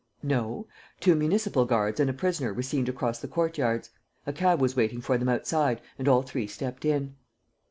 "No. Two municipal guards and a prisoner were seen to cross the courtyards. A cab was waiting for them outside and all three stepped in.